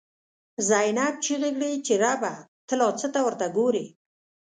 زینب ” چیغی کړی چی ربه، ته لا څه ته ورته ګوری”